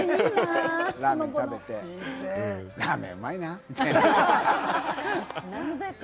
ラーメン食べて、ラーメンうまいなみたいな。